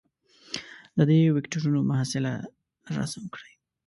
د دې وکتورونو محصله رسم کړئ.